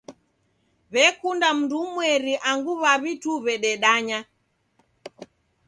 W'ekunda mndu umweri angu w'aw'i tu w'ededanya.